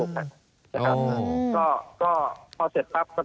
ครับ